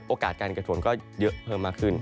โอกาสการเกิดฝนก็เยอะเพิ่มมากขึ้น